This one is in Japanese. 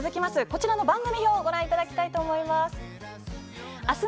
こちらの番組表ご覧いただきたいと思います。